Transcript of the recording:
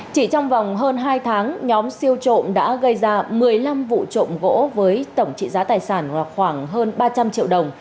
chỉ trong vòng hơn hai tháng nhóm siêu trộm đã gây ra một mươi năm vụ trộm gỗ với tổng trị giá tài sản là khoảng hơn ba trăm linh triệu đồng